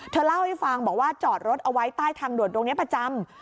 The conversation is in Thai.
เล่าให้ฟังบอกว่าจอดรถเอาไว้ใต้ทางด่วนตรงนี้ประจำ